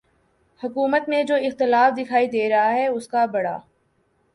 حکومت میں جو اختلاف دکھائی دے رہا ہے اس کا بڑا